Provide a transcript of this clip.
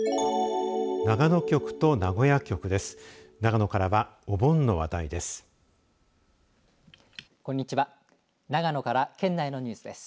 長野局と名古屋局です。